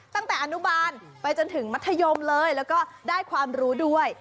ตั้งแต่อนุบาลไปจนถึงมัธยมเลยแล้วก็ได้ความรู้ด้วย